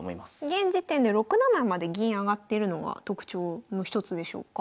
現時点で６七まで銀上がってるのが特徴の一つでしょうか？